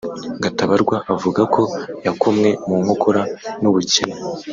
Gatabarwa avuga ko yakomwe mu nkokora n’ubukene